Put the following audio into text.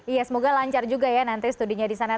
iya semoga lancar juga ya nanti studinya di sana